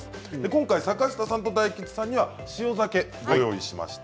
今回、坂下さんと大吉さんには塩ざけをご用意しました。